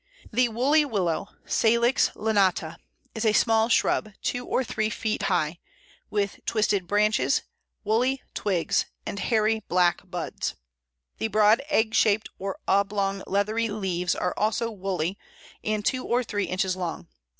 The Woolly Willow (Salix lanata) is a small shrub, two or three feet high, with twisted branches, woolly twigs, and hairy black buds. The broad egg shaped or oblong leathery leaves are also woolly, and two or three inches long.